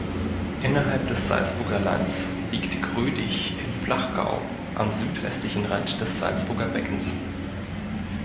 Innerhalb des Salzburger Lands liegt Grödig im Flachgau am südwestlichen Rand des Salzburger Beckens.